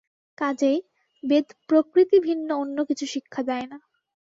কাজেই বেদ প্রকৃতি ভিন্ন অন্য কিছু শিক্ষা দেয় না।